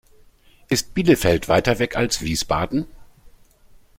Ist Bielefeld weiter weg als Wiesbaden?